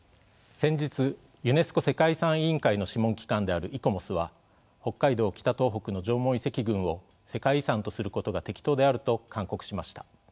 先日ユネスコ世界遺産委員会の諮問機関であるイコモスは北海道・北東北の縄文遺跡群を世界遺産とすることが適当であると勧告しました。